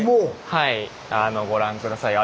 はいご覧下さい。